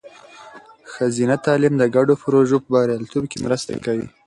ښځینه تعلیم د ګډو پروژو په بریالیتوب کې مرسته کوي.